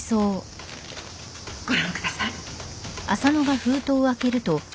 ご覧ください。